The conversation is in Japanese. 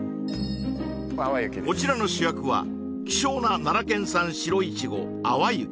こちらの主役は希少な奈良県産白いちご淡雪